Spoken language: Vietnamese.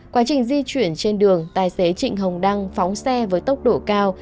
quá trình di chuyển trên đường tài xế trịnh hồng đăng phóng xe với tốc độ cao